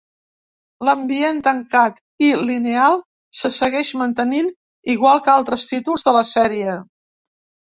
L'ambient tancat, i lineal se segueix mantenint igual que altres títols de la sèrie.